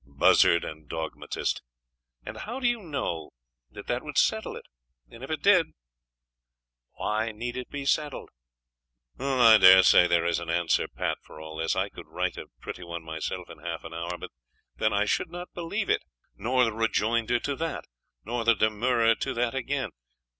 Buzzard and dogmatist! And how do you know that that would settle it? And if it did why need it be settled?.... 'I daresay there is an answer pat for all this. I could write a pretty one myself in half an hour. But then I should not believe it .... nor the rejoinder to that.... nor the demurrer to that again